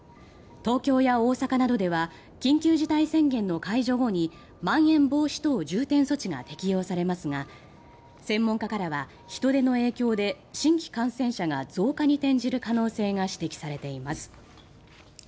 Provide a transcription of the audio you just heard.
東京や大阪などでは緊急事態宣言の解除後にまん延防止等重点措置が適用されますが専門家からは人出の影響で新規感染者が増加に転じる可能性が指摘されています。